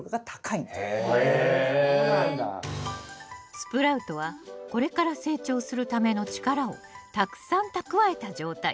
スプラウトはこれから成長するための力をたくさん蓄えた状態。